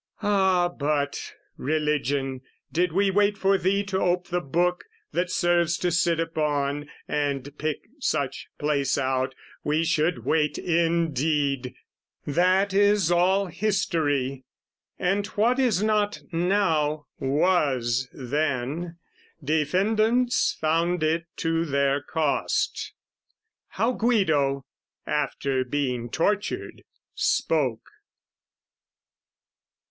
Ah but, Religion, did we wait for thee To ope the book, that serves to sit upon, And pick such place out, we should wait indeed! That is all history: and what is not now, Was then, defendants found it to their cost. How Guido, after being tortured, spoke.